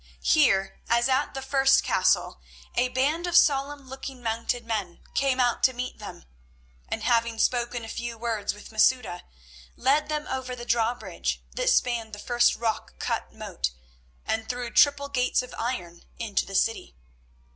Here, as at the first castle, a band of solemn looking mounted men came out to meet them, and, having spoken a few words with Masouda, led them over the drawbridge that spanned the first rock cut moat, and through triple gates of iron into the city.